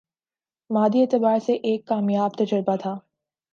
مادی اعتبار سے یہ ایک کامیاب تجربہ تھا